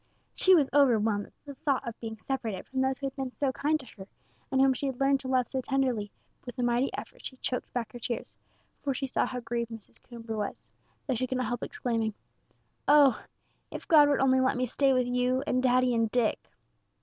She was overwhelmed at the thought of being separated from those who had been so kind to her, and whom she had learned to love so tenderly, but with a mighty effort she choked back her tears, for she saw how grieved Mrs. Coomber was; though she could not help exclaiming: "Oh! if God would only let me stay with you, and daddy, and Dick!"